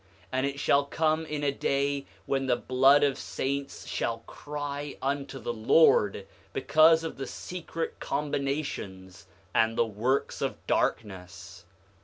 8:27 And it shall come in a day when the blood of saints shall cry unto the Lord, because of secret combinations and the works of darkness.